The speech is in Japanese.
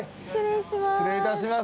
失礼します。